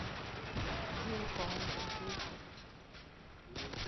Si ŋkɔɔŋ okěkúw.